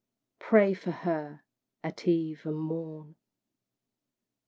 Pray for her at eve and morn!